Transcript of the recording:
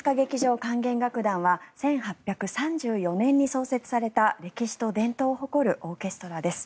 管弦楽団は１８３４年に創設された歴史と伝統を誇るオーケストラです。